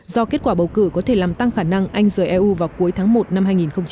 do kết quả bầu cử có thể làm tăng khả năng anh rời eu vào cuối tháng một năm hai nghìn hai mươi